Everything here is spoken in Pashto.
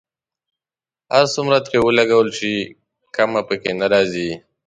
هر څومره ترې ولګول شي کمی په کې نه راځي.